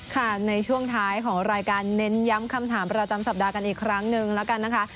ค่ะในช่วงท้ายของรายการเน้นย้ำคำถามประจำสัปดาห์กันอีกครั้งหนึ่งแล้วกันนะคะ